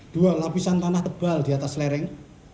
dua lapisan tanah tebal di atas lereng